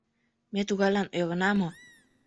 Ме тугайлан ӧрына мо?